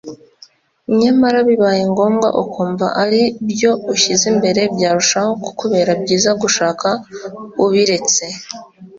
nyamara bibaye ngombwa ukumva ari byo ushyize imbere byarushaho kukubera byiza gushaka ubiretse